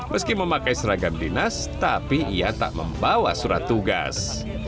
meski memakai seragam dinas tapi ia tak membawa surat tugas